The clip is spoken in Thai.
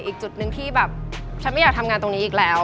อีกจุดหนึ่งที่แบบฉันไม่อยากทำงานตรงนี้อีกแล้ว